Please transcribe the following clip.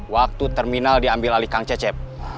waktu terminal diambil alikang cecep